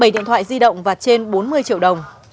di động và trên bốn mươi triệu đồng